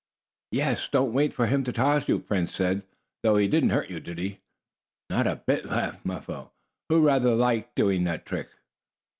"Yes, don't wait for him to toss you," Prince said. "Though he didn't hurt you, did he?" "Not a bit," laughed Mappo, who rather liked doing that trick.